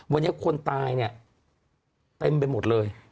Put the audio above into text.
วันนี้คนตายเต็มไปหมดเลย